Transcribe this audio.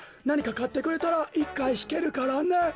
なにかかってくれたら１かいひけるからね。